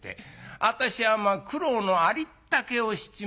私は苦労のありったけをしちまったよ。